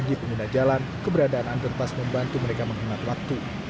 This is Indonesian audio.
bagi pengguna jalan keberadaan underpass membantu mereka menghemat waktu